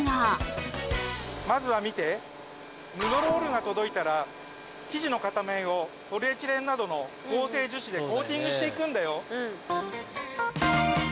布ロールが届いたら生地の片面をポリエチレンなどの合成樹脂でコーティングしていくんだよ。